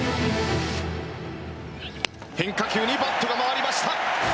変化球にバットが回りました。